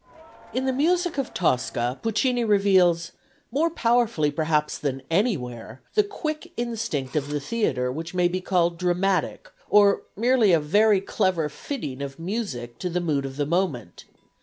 In the music of Tosca Puccini reveals, more powerfully perhaps than anywhere, that quick instinct of the theatre which may be called dramatic, or merely a very clever fitting of music to the mood of the moment.